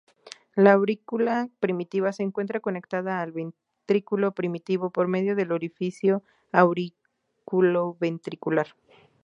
La aurícula primitiva se encuentra conectada al ventrículo primitivo por medio del orificio auriculoventricular.